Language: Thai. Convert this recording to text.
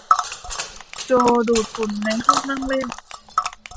โจดูดฝุ่นในห้องนั่งเล่น